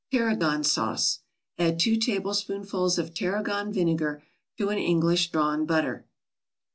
TARRAGON SAUCE Add two tablespoonfuls of tarragon vinegar to an English drawn butter.